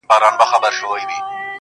ډېوه سلگۍ وهي کرار ـ کرار تياره ماتېږي~